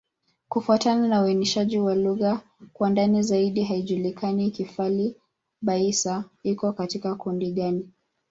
Kufuatana na uainishaji wa lugha kwa ndani zaidi, haijulikani Kifali-Baissa iko katika kundi gani.